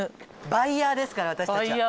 バイヤーですから私たちは。